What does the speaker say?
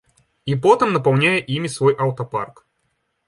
І потым напаўняе імі свой аўтапарк.